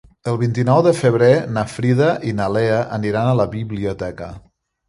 El vint-i-nou de febrer na Frida i na Lea aniran a la biblioteca.